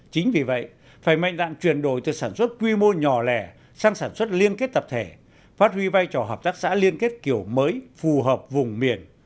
chính vì vậy phải mạnh đạn chuyển đổi từ sản xuất quy mô nhỏ lẻ sang sản xuất liên kết tập thể phát huy vai trò hợp tác xã liên kết kiểu mới phù hợp vùng miền